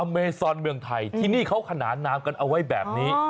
เมซอนเมืองไทยที่นี่เขาขนานนามกันเอาไว้แบบนี้